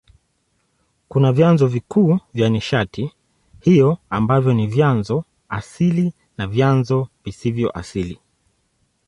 Kuna vyanzo vikuu vya nishati hiyo ambavyo ni vyanzo asili na vyanzo visivyo asili.